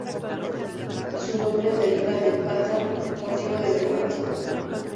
Su nombre deriva de "Pattern", motivo decorativo.